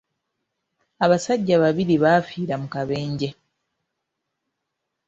Abasajja babiri baafiira mu kabenje.